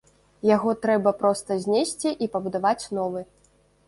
Яго трэба проста знесці і пабудаваць новы.